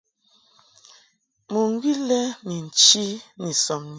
Mɨŋgwi lɛ ni nchi ni sɔbni.